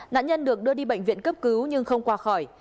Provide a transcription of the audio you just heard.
nạn nhân được đưa đi bệnh viện cấp cứu nhưng không qua khỏi